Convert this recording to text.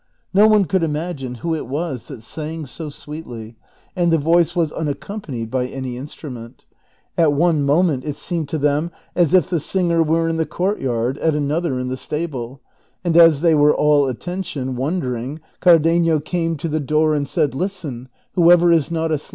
No one coiild imagine who it was that sang so sweetly, and the voice was unaccompanied by any instrument. At one moment it seemed to them as if the singer were in the court yard, at another in the stable ; and as they were all attention, wondering, Cardenio came to the 366 DON QUIXOTE.